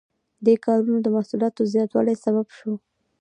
دې کارونو د محصولاتو د زیاتوالي سبب شو.